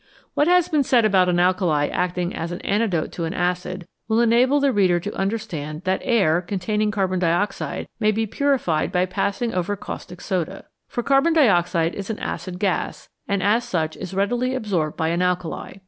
What has been said about an alkali acting as an antidote to an acid will enable the reader to understand that air containing carbon dioxide may be purified by passing over caustic soda. For carbon dioxide is an acid gas, and as such is readily absorbed by an alkali.